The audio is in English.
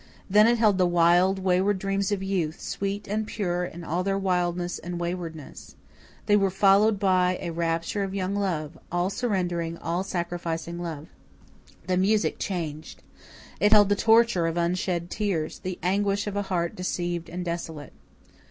Then it held the wild, wayward dreams of youth, sweet and pure in all their wildness and waywardness. They were followed by a rapture of young love all surrendering, all sacrificing love. The music changed. It held the torture of unshed tears, the anguish of a heart deceived and desolate.